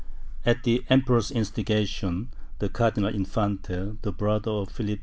At the Emperor's instigation, the Cardinal Infante, the brother of Philip IV.